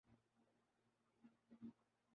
یہ پڑھ کر آنکھیں بھیگ گئیں۔